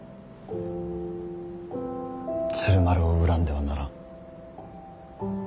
鶴丸を恨んではならん。